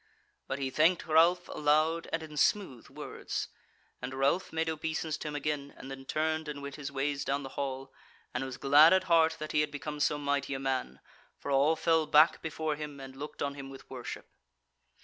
But he thanked Ralph aloud and in smooth words. And Ralph made obeisance to him again, and then turned and went his ways down the hall, and was glad at heart that he had become so mighty a man, for all fell back before him and looked on him with worship.